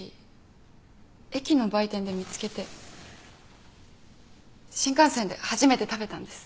駅の売店で見つけて新幹線で初めて食べたんです。